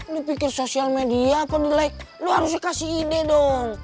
lo pikir sosial media apa di like lo harusnya kasih ide dong